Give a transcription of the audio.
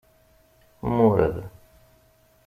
Mured.